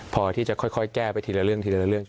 พอที่จะค่อยแก้ไปทีละเรื่อง